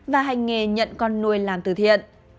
và hành nghề nhận con nuôi làm từ thiện